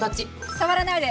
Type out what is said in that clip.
触らないで！